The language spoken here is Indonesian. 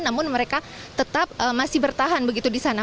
namun mereka tetap masih bertahan begitu di sana